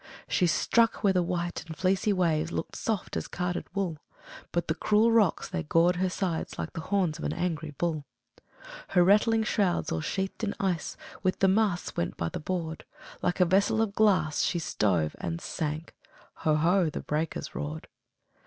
She struck where the white and fleecy waves Look'd soft as carded wool, But the cruel rocks, they gored her sides Like the horns of an angry bull. Her rattling shrouds, all sheathed in ice, With the masts went by the board; Like a vessel of glass, she stove and sank, Ho! ho! the breakers roared!